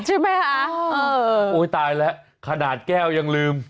ใช่ไหมคะโอ้ยตายแล้วขนาดแก้วยังลืม